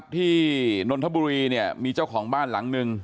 ที่นอนทะบุรีเนี่ยมีเจ้าของบ้านหลังหนึ่ง